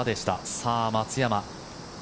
さあ、松山。